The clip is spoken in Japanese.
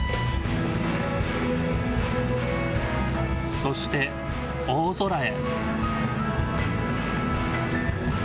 そして大空へ。